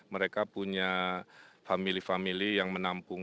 mereka punya family family yang menampung